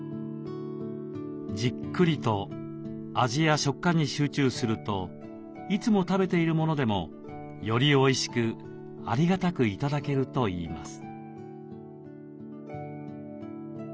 じっくりと味や食感に集中するといつも食べているものでもよりおいしくありがたく頂けるといいます。